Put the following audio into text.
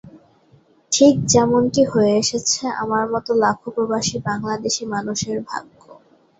ঠিক যেমনটি হয়ে এসেছে আমার মতো লাখো প্রবাসী বাংলাদেশি মানুষের ভাগ্য।